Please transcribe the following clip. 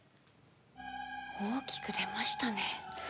大きく出ましたね。